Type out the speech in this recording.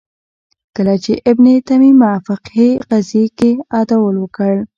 کله چې ابن تیمیه فقهې قضیې کې عدول وکړ